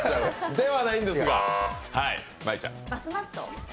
ではないんですけど。